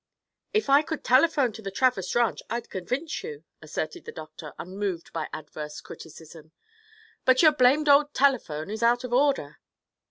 "If I could telephone to the Travers Ranch, I'd convince you," asserted the doctor, unmoved by adverse criticism; "but your blamed old telephone is out of order."